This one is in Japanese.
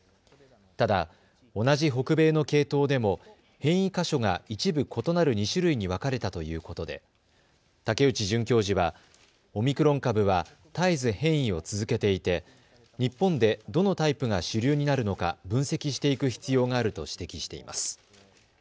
ただ、同じ北米の系統でも変異箇所が一部異なる２種類に分かれたということで武内准教授はオミクロン株は絶えず変異を続けていて日本でどのタイプが主流になるのか分析していく必要があると指摘しています。